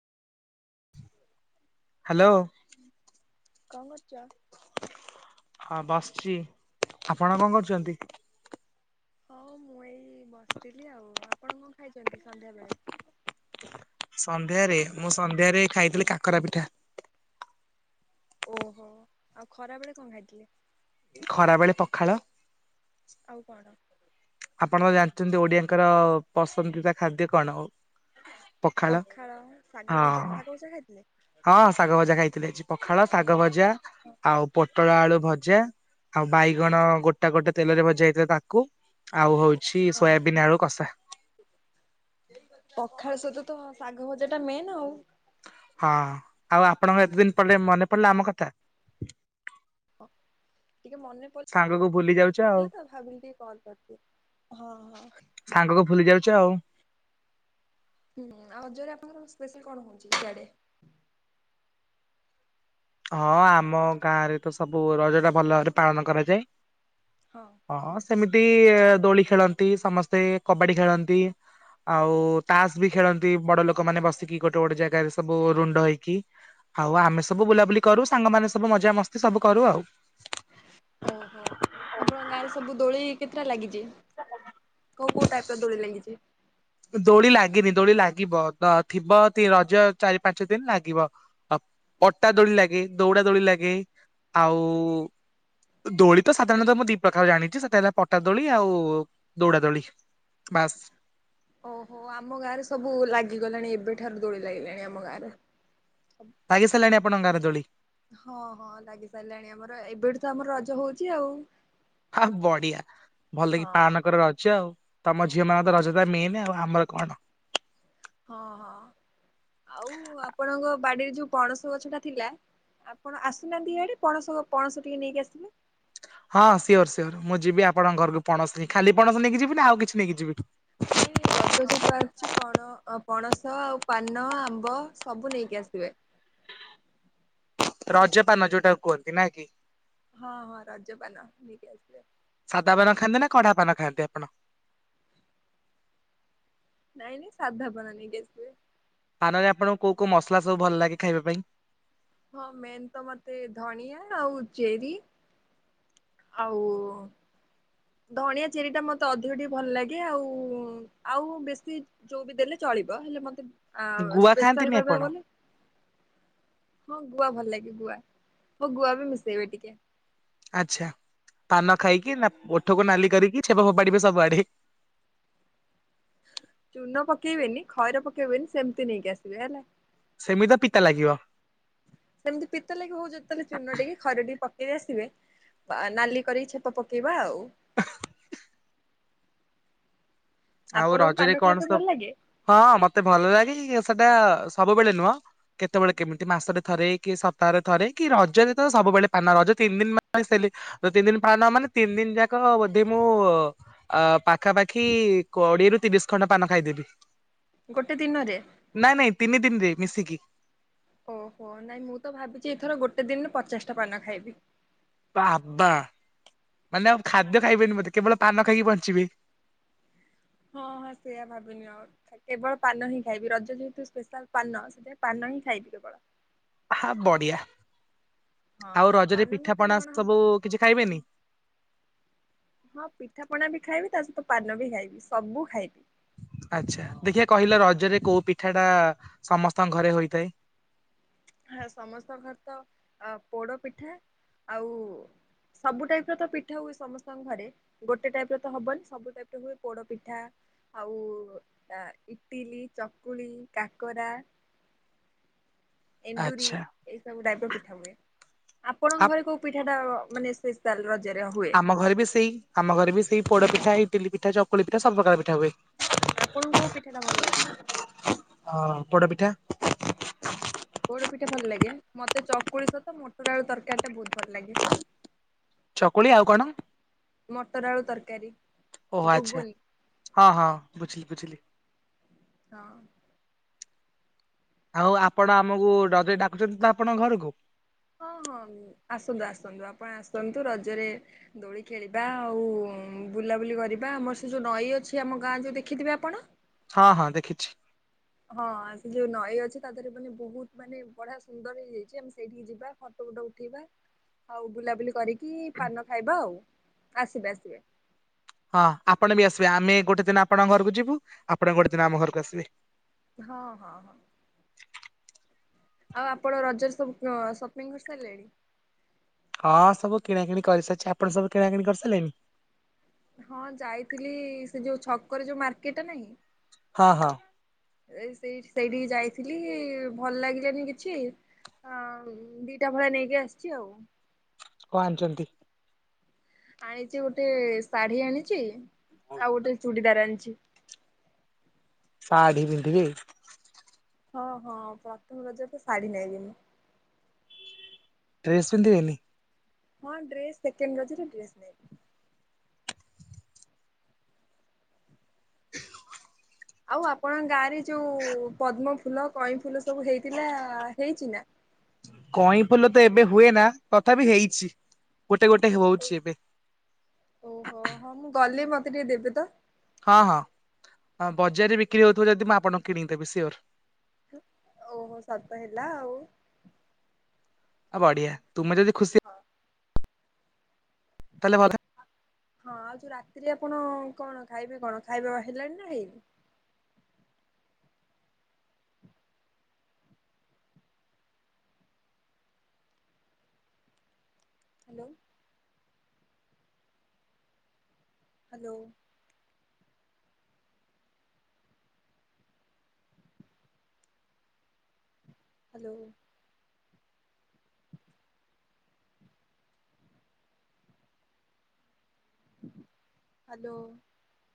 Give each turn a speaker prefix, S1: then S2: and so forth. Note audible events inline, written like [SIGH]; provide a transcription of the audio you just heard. S1: Hello.
S2: କଣ କରୁଚ?
S1: ହଁ ବାସିଛି। ଆପଣ କଣ କରୁଛନ୍ତି?
S2: ହଁ ମୁଁ ଏଇ ବସିଥିଲି ଆଉ। ଆପଣ କଣ ଖାଇଛନ୍ତି ସନ୍ଧ୍ୟାବେଳେ?
S1: ସନ୍ଧ୍ୟାରେ ମୁଁ ସନ୍ଧ୍ୟାରେ ଖାଇଥିଲି କାକରା ପିଠା।
S2: ଓହୋ! ଆଉ ଖରା ବେଳେ କଣ ଖାଇଥିଲେ?
S1: ଖରାବେଳେ ପଖାଳ।
S2: ଆଉ କଣ?
S1: ଆପଣ ତ ଜାଣିଚନ୍ତି ଓଡିଆଙ୍କର ପସନ୍ଦଦିତା ଖାଦ୍ୟ କଣ? ଓ
S2: ପଖାଳ,
S1: ହଁ
S2: ଶାଗଭଜା ଶାଗଭଜା ଖାଇଥିଲେ?
S1: ହଁ ଶାଗଭଜା ଖାଇଥିଲି। ଆଜି ପଖାଳ
S2: ପଖା
S1: ଶାଗଭଜା ଆଉ ପୋଟଳ ଆଳୁ ଭଜା। ଆଉ ବାଇଗଣ ଗୋଟା ଗୋଟେ ତେଲରେ ଭଜା ହେଇଥିଲା ତାକୁ। ଆଉ ହଉଛି
S2: ହଁ
S1: ସୋୟାବିନ୍ ଆଳୁ କଷା।
S2: ପଖାଳ ସହିତ ତ ଶାଗଭଜା ଟା ମେନ୍ ଆଉ।
S1: ହଁ, ଆଉ ଆପଣଙ୍କ ଏତେ ଦିନ ପରେ ମନେ ପଡିଲା ଆମ କଥା।
S2: ଓ ଟିକେ ମନେ ପ
S1: ସାଙ୍ଗକୁୁ ଭୁଲି ଯାଉଛ। ଆଉ
S2: ଥିଲି ତ ଭାବିଲି ଟିକେ କଲ୍ କରିଦିଏ ହଁ, ହଁ।
S1: ସାଙ୍ଗକୁ ଭୁଲି ଯାଉଛ ଆଉ।
S2: ହୁଁ, ଆଉ ରଜରେ ଆପଣଙ୍କର ସ୍ପେଶାଲ୍ କଣ ହଉଛି ସିଆଡେ?
S1: ହଁ ଆମ ଗାଁରେ ତ ସବୁ ରଜ ଟା ଭଲ ଭାବରେ ପାଳନ କରାଯାଏ।
S2: ହଁ।
S1: ଓ ହଁ ସେମିତି ଦୋଳି ଖେଳନ୍ତି। ସମସ୍ତେ କବାଡି ଖେଳନ୍ତି। ଆଉ ତାସ୍ ବି ଖେଳନ୍ତି ବଡ ଲୋକମାନେ ବସିକି ଗୋଟେ ଗୋଟେ ଜାଗାରେ ସବୁ ରୁଣ୍ଡ ହେଇକି। ଆଉ ଆମେ ସବୁ ବୁଲାବୁଲି କରୁ ସାଙ୍ଗମାନେ ସବୁ ମଜା ମସ୍ତି ସବୁ କରୁ ଆଉ।
S2: ଓହୋ! ଆପଣଙ୍କ ଗାଁରେ ସବୁ ଦୋଳି କେତେଟା ଲାଗିଚି?
S1: [INAUDIBLE]
S2: କୋଉ କୋଉ ଟାଇପ୍ ର ଦୋଳି ଲାଗିଛି?
S1: ଦୋଳି ଲାଗିନି, ଦୋଳି ଲାଗିବ, ତ ଥିବ ତି-ରଜ ଚାରି ପାଞ୍ଚ ଦିନ ଲାଗିବ। ଅ, ପଟା ଦୋଳି ଲାଗେ। ଦଉଡ଼ା ଦୋଳି ଲାଗେ। ଆଉ ଦୋଳି ତ ସାଧାରଣତଃ ମୁଁ ଦି ପ୍ରକାର ଜାଣିଛି। ସେଟା ହେଲା ପଟା ଦୋଳି ଆଉ ଦୌଡା ଦୋଳି। ବାସ୍
S2: ଓହୋ, ଆମ ଗାଁରେ ସବୁ ଲାଗିଗଲାଣି ଏବେଠାରୁ ଦୋଳି ଲାଗିଲାଣି ଆମ ଗାଁରେ।
S1: ଲାଗିସାରିଲାଣି ଆପଣଙ୍କ ଗାଁରେ ଦୋଳି?
S2: ହଁ, ହଁ ଲାଗି ସାରିଲାଣି ଆମର ଏବେଠୁ ତ ଆମର ରଜ ହଉଛି ଆଉ।
S1: ଆ, ବଡିଆ ଭଲ କି
S2: ହଁ।
S1: ପାଳନ କର ରଜ ଆଉ। ତୋମ ଝିଅମାନଙ୍କର ରଜ ଟା ମେନେ ଆଉ ଆମର କଣ।
S2: ହଁ, ହଁ ଆଉ ଆପଣଙ୍କ ବାଡିରେ ଯୋଉ ପଣସ ଗଛଟା ଥିଲା ଆପଣ ଆସୁନାହାନ୍ତି ଇଆଡ଼େ। ପଣସ ପଣସ ଟିକେ ନେଇକି ଆସିବେ।
S1: ହଁ ସିଓର୍ ସିଓର୍ ମୁଁ ଯିବି ଆପଣଙ୍କ ଘରକୁ ପଣସ ନେଇ। ଖାଲି ପଣସ ନେଇକି ଯିବି ନା ଆଉ କିଛି ନେଇକି ଯିବି?
S2: ନାଇଁ ନାଇଁ ରଜ ଯେହେତୁ ଅଛି ପଣ-ଅ, ପଣସ ଆଉ ପାନ, ଆମ୍ବ ସବୁ ନେଇକି ଆସିବେ।
S1: ରଜପାନ ଯୋଉଟାକୁ କୁହନ୍ତି ନା କି?
S2: ହଁ, ହଁ ରଜ ପାନ ନେଇକି ଆସିବେ।
S1: ସାଧା ପାନ ଖାଆନ୍ତି ନା କଡା ପାନ ଖାଆନ୍ତି ଆପଣ?
S2: ନାଇଁ ନାଇଁ ସାଧା ପାନ ନେଇକି ଆସିବେ।
S1: ପାନରେ ଆପଣଙ୍କୁ କୋଉ କୋଉ ମସଲା ସବୁ ଭଲ ଲାଗେ ଖାଇବା ପାଇଁ?
S2: ହଁ ମେନ୍ ତ ମୋତେ ଧଣିଆ ଆଉ ଚେରି ଆଉ ଧଣିଆ ଚେରିଟା ମତେ ଅଧିକ ଟିକେ ଭଲ ଲାଗେ ଆଉ ଆଉ ବେଶୀ ଯୋଉ ବି ଦେଲେ ଚଳିବ ହେଲେ ମତେ ଆଉ
S1: ଗୁଆ ଖାଆନ୍ତିନି
S2: ସ୍ପେଶାଲ
S1: ଆପଣ?
S2: କହିବାକୁ ଗଲେ ହଁ ଗୁଆ ଭଲ ଲାଗେ ଗୁଆ ହଁ ଗୁଆ ବି ମିଶେଇବେ ଟିକେ।
S1: ଆଚ୍ଛା ପାନ ଖାଇକି ନା ଓଠକୁ ନାଲି କରିକି ଛେପ ଫୋପାଡି଼ବେ ସବୁ ଆଡ଼େ।
S2: ଚୁନ ପକେଇବେନି ଖଇର ପକେଇବେନି ସେମିତି ନେଇକି ଆସିବେ ହେଲା।
S1: ସେମିତି ତ ପିତା ଲାଗିବ।
S2: ସେମିତି ପିତାଲାଗିବ ହଉ ଯେତେବେଳେ ଚୂନ ଟିକେ ଖଇର ଟିକେ ପକେଇିକି ଆସିବେ। ନାଲି କରିି ଛେପ ପକେଇବା ଆଉ।
S1: ଆଉ
S2: ଆପଣଙ୍କୁ ପାନ
S1: ରଜରେ
S2: ଖାଇବା
S1: କଣ
S2: ପାଇଁ ଭଲ
S1: ସବୁ
S2: ଲାଗେ
S1: ହଁ ମତେ ଭଲ ଲାଗେ ସେଟା ସବୁବେଳେ ନୁହଁ। କେତେବେଳେ କେମିତି ମାସରେ ଥରେ କି ସପ୍ତାହରେ ଥରେ କି ରଜରେ ତ ସବୁବେଳେ ପାନ ରଜ ତିନି ଦିନ [UNINTELLIGIBLE] ତିନି ଦିନ ପାଳନ ହେବ ମାନେ ତିନି ଦିନ ଯାକ ବୋଧି ମୁଁ ଅ ପାଖାପାଖି କୋଡ଼ିଏ ରୁ ତିରିଶ ଖଣ୍ଡ ପାନ ଖାଇଥିଲି।
S2: ଗୋଟେ ଦିନରେ?
S1: ନାଇଁ ନାଇଁ ତିନି ଦିନି ରେ ମିଶିକି।
S2: ଓହୋ ନାଇଁ ମୁଁ ତ ଭାବିଛି ଏଥର ଗୋଟେ ଦିନରେ ପଚାଶ ଟା ପାନ ଖାଇବି।
S1: ବାବା ମାନେ ଆଉ ଖାଦ୍ୟ ଖାଇବେନି କେବଳ ପାନ ଖାଇକି ବଞ୍ଚିବେ।
S2: ହଁ ହଁ ସେଇଆ ଭାବିନିଅ ଆଉ। କେବଳ ପାନ ହିଁ ଖାଇବି ରଜ ଯେହେତୁ ସ୍ପେଶାଲ ପାନ ସେଥିପାଇଁ ପାନ ହିଁ ଖାଇବି କେବଳ।
S1: ଆହା ବଢ଼ିଆ ଆଉ
S2: ହଁ।
S1: ରଜରେ
S2: ପାନ ନ
S1: ପିଠା
S2: ଖାଇଲେ
S1: ପଣା
S2: କଣ ହବ
S1: ସବୁ କିଛି ଖାଇବେନି?
S2: ହଁ ପିଠାପଣା ବି ଖାଇବି ତା ସହିତ ପାନ ବି ଖାଇବି ସବୁ ଖାଇବି।
S1: ଆଚ୍ଛା ଦେଖିଆ କହିଲ ରଜରେ କୋଉ ପିଠା ଟା ସମସ୍ତଙ୍କ ଘରେ ହୋଇଥାଏ?
S2: ହା ସମସ୍ତଙ୍କ ଘରେ ତ ପୋଡ଼ ପିଠା ଆଉ ସବୁ ଟାଇପ୍ ର ତ ପିଠା ହୁଏ ସମସ୍ତଙ୍କ ଘରେ। ଗୋଟେ ଟାଇପ୍ ର ତ ହବନି ସବୁ ଟାଇପ୍ ର ହୁଏ ପୋଡ଼ପିଠା ଆଉ ଇଟିଲି, ଚକୁଳି, କାକରା। ଏଣ୍ଡୁରି।
S1: ଆଚ୍ଛା
S2: ଏଇ ସବୁ ଟାଇପ୍ ର ପିଠା ହୁଏ
S1: ଆ
S2: ଆପଣଙ୍କ ଘରେ କୋଉ ପିଠା ଟା ମାନେ ସେ ରଜରେ ହୁଏ?
S1: ଆମ ଘରେ ବି ସେଇ ଆମ ଘରେ ବି ସେଇ ପୋଡ଼ ପିଠା, ଇଟିଲି ପିଠା, ଚକୁଳି ପିଠା, ସବୁ ପ୍ରକାର ପିଠା ହୁଏ।
S2: ଆପଣଙ୍କୁ କୋଉ ପିଠା ଟା ଭଲ ଲାଗେ?
S1: ହଁ ପୋଡ଼ପିଠା।
S2: ପୋଡ଼ପିଠା ଭଲ ଲାଗେ ମତେ ଚକୁଳି ସହିତ ମଟର ଆଳୁ ତରକାରୀ ଟା ବହୁତ୍ ଭଲ ଲାଗେ।
S1: ଚକୁଳି ଆଉ କଣ?
S2: ମଟର ଆଳୁ ତରକାରୀ
S1: ଓହୋ ଆଚ୍ଛା
S2: ଗୁଗୁନୀ।
S1: ହଁ ହଁ ବୁଝିଲି ବୁଝିଲି।
S2: ହଁ।
S1: ଆଉ ଆପଣ ଆମକୁ [UNINTELLIGIBLE] ଡାକୁଛନ୍ତି ତ ଆପଣଙ୍କ ଘରକୁ।
S2: ହଁ ହଁ ଆସନ୍ତୁ ଆସନ୍ତୁ ଆପଣ ଆସନ୍ତୁ ରଜରେ ଦୋଳି ଖେଳିବା ଆଉ ବୁଲାବୁଲି କରିବା ଆମର ସେ ଯୋଉ ନଈ ଅଛି ଆମ ଗାଁ ଯୋଉ ଦେଖିଥିବେ ଆପଣ?
S1: ହଁ ହଁ ଦେଖିଛି।
S2: ହଁ ସେ ଯୋଉ ନଈ ଅଛି ତା ଦେହରେ ମାନେ ବହୁତ୍ ମାନେ ବଢ଼ିଆ ସୁନ୍ଦର ହେଇଯାଇଛି ଆମେ ସେଇଠିକି ଯିବା। ଫଟୋ ଫୁଟ ଉଠେଇବା ଆଉ ବୁଲାବୁଲି କରିକି ପାନ ଖାଇବା ଆଉ ଆସିବା ସିଏ।
S1: ହଁ ଆପଣ ବି ଆସିବେ ଆମେ ଗୋଟେ ଦିନ ଆପଣଙ୍କ ଘରକୁ ଯିବୁ ଆପଣ ଗୋଟେ ଦିନ ଆମ ଘରକୁ ଆସିବେ।
S2: ହଁ ହଁ ହଁ। ଆଉ ଆପଣ ରଜରେ ସବୁ ସପିଂ କରିସାରିଲେଣି?
S1: ହଁ ସବୁ କିଣାକିଣି କରିସାରିଛି। ଆପଣ ସବୁ କିଣାକଣି କରିସାରିଲେଣି?
S2: ହଁ ଯାଇଥିଲି ସେ ଯୋଉ ଛକରେ ଯୋଉ ମାର୍କେଟ ନାହିଁ।
S1: ହଁ ହଁ।
S2: ଏ ସେଇ ସେଇଠିକି ଯାଇଥିଲି ଭଲ ଲାଗିଲାନି କିଛି ହଁ ଦିଟା ଭଳିଆ ନେଇକି ଆସିଛି ଆଉ।
S1: କଣ ଆଣିଚନ୍ତି?
S2: ଆଣିଛି ଗୋଟେ ଶାଢୀ ଆଣିଛି ଆଉ ଗୋଟେ ଚୁଡିଦାର ଆଣିଚି।
S1: ପାଢୀ ପିନ୍ଧିବେ?
S2: ହଁ ହଁ ପ୍ରଥମ ରଜ ତ ଶାଢ଼ୀ ନେବି ମୁଁ।
S1: ଡ୍ରେସ୍ ପିନ୍ଧିବେନି?
S2: ହଁ ଡ୍ରେସ୍ ସେକେଣ୍ଡ ରଜରେ ଡ୍ରେସ୍ ନେଲି। ଆଉ ଆପଣଙ୍କ ଗାଁରେ ଯେଉଁ ପଦ୍ମ ଫୁଲ କଇଁ ଫୁଲ ସବୁ ହେଇଥିଲା ହେଇଛିନା?
S1: କଇଁ ଫୁଲ ତ ଏବେ ହୁଏ ନା ତଥାପି ହେଇଛି। ଗୋଟେ ଗୋଟେ ହଉଛି ଏବେ।
S2: ଓହୋ ହଁ ମୁଁ ଗଲେ ମତେ ଟିକେ ଦେବେ ତ।
S1: ହଁ ହଁ ଆଁ ବଜାରରେ ବିକ୍ରି ହଉଥିବ ଯଦି ମୁଁ ଆପଣଙ୍କୁ କିଣିକି ଦେବି ସିଓର।
S2: ଓହୋ ସତ ହେଲା ଆଉ।
S1: ଆଉ ବଢ଼ିଆ ତୁମେ ଯଦି ଖୁସି
S2: ହଁ।
S1: ତାହେଲେ ମତେ
S2: ହଁ ଆଉ ଯୋଉ ରାତିରେ ଆପଣ କଣ ଖାଇବେ କଣ ଖାଇବା ହେଲାଣି ନା ହେଇନି? ହ୍ୟାଲୋ। ହ୍ୟାଲୋ। ହ୍ୟାଲୋ। ହ୍ୟାଲୋ।